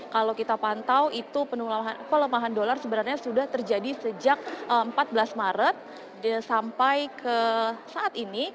kalau kita pantau itu pelemahan dolar sebenarnya sudah terjadi sejak empat belas maret sampai ke saat ini